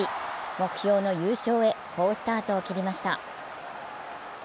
目標の優勝へ好スタートを切りました。